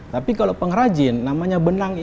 tapi kalau pengrajin namanya benang